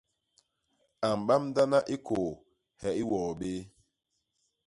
A mbamdana i kôô he i wôô béé.